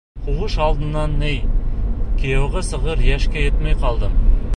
Һуғыш алдынан ней кейәүгә сығыр йәшкә етмәй ҡалдым.